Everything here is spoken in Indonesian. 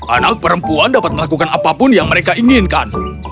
anak perempuan dapat melakukan apapun yang mereka inginkan